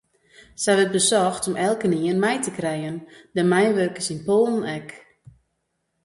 Sa wurdt besocht om elkenien mei te krijen, de mynwurkers yn Poalen ek.